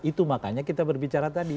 itu makanya kita berbicara tadi